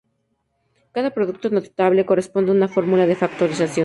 Cada producto notable corresponde a una fórmula de factorización.